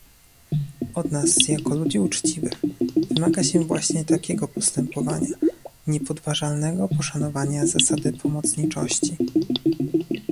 Od nas, jako ludzi uczciwych, wymaga się właśnie takiego postępowania, niepodważalnego poszanowania zasady pomocniczości